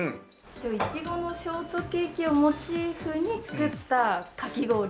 一応苺のショートケーキをモチーフに作ったかき氷になってます。